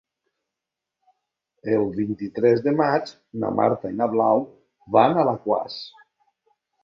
El vint-i-tres de maig na Marta i na Blau van a Alaquàs.